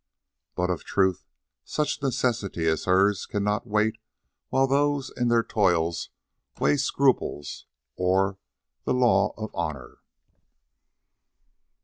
But of a truth, such necessities as hers cannot wait while those in their toils weigh scruples or the law of honour.